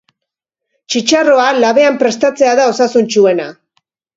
Txitxarroa labean prestatzea da osasuntsuena.